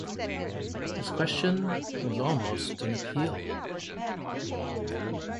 His question was almost an appeal.